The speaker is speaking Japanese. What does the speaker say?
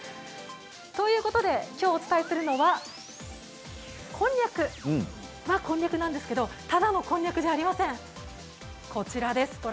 きょうお伝えするのはこんにゃくはこんにゃくなんですけどただのこんにゃくじゃありません。